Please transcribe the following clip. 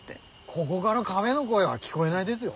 こごがらカフェの声は聞こえないですよ。